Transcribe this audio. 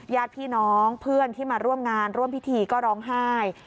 ญาติพี่น้องเพื่อนที่มาร่วมงานร่วมพิธีก็ร้องไห้